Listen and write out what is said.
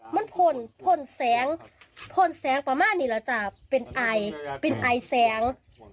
มันพลพลแสงพลแสงประมาณนี้แหละจ้ะเป็นไอเป็นไอแสง